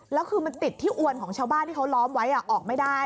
แล้วคือมันติดที่อวนของชาวบ้านที่เขาล้อมไว้ออกไม่ได้